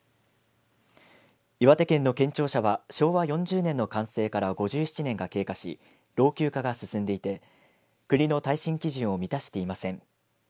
岩手県の県庁舎は昭和４０年の完成から５７年が経過し老朽化が進んでいて国の耐震基準を満たしていません。